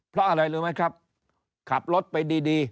เพราะอะไรรู้ไหมครับขับรถไปดีดี